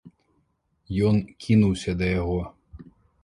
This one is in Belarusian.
Ён кінуўся да яго.